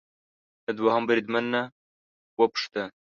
له دوهم بریدمن نه وپوښته